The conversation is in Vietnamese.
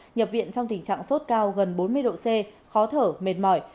nhập viện trong tình trạng sốt cao gần bốn mươi độ c khó thở mệt mỏi